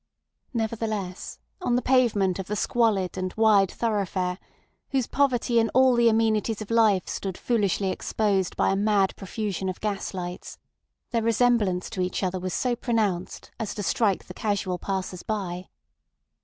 Nevertheless, on the pavement of the squalid and wide thoroughfare, whose poverty in all the amenities of life stood foolishly exposed by a mad profusion of gas lights, their resemblance to each other was so pronounced as to strike the casual passers by.